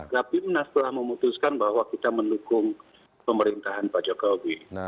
rapimnas telah memutuskan bahwa kita mendukung pemerintahan pak jokowi